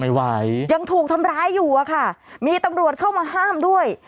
ไหวยังถูกทำร้ายอยู่อะค่ะมีตำรวจเข้ามาห้ามด้วย